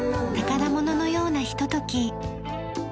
宝物のようなひととき。